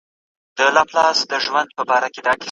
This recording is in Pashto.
ناسم میتود کارول د وخت او پیسو ضایع کول دي.